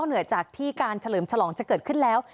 เหนือจากที่การเฉลิมฉลองจะเกิดขึ้นแล้ว